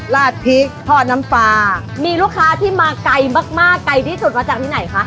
ราดพริกทอดน้ำปลามีลูกค้าที่มาไกลมากมากไกลที่สุดมาจากที่ไหนคะ